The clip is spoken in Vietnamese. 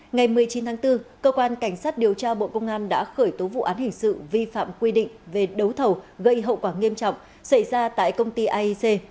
ngày một mươi chín tháng bốn cơ quan cảnh sát điều tra bộ công an đã khởi tố vụ án hình sự vi phạm quy định về đấu thầu gây hậu quả nghiêm trọng xảy ra tại công ty aic